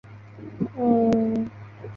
转帐再提领出来